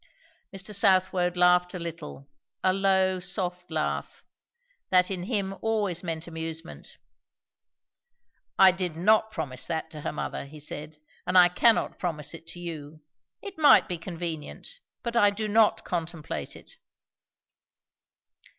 Mr. Southwode laughed a little, a low, soft laugh, that in him always meant amusement. "I did not promise that to her mother," he said, "and I cannot promise it to you. It might be convenient, but I do not contemplate it."